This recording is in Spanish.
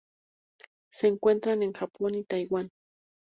Se encuentran en el Japón y Taiwán.